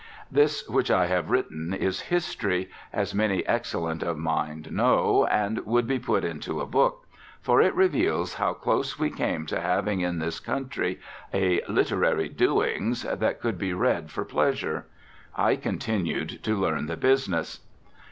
This which I have written is history, as many excellent of mind know, and should be put into a book: for it reveals how close we came to having in this country a Literary Doings that could be read for pleasure. I continued to learn the business.